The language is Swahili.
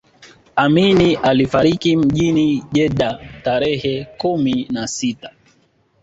amini alifariki mjini jeddah tarehe kumi na sita